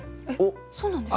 そうなんですか？